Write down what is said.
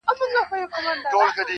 • زما د زړه گلونه ساه واخلي.